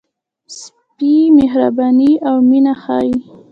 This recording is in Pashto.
سپي مهرباني او مینه ښيي.